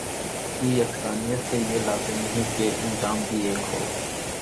کی یکسانیت سے یہ لازم نہیں کہ انجام بھی ایک ہو